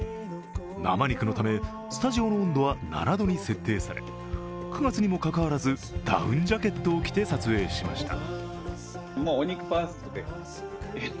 生肉のためスタジオの温度は７度に設定され９月にもかかわらずダウンジャケットを着て撮影しました。